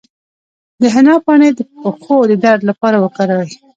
د حنا پاڼې د پښو د درد لپاره وکاروئ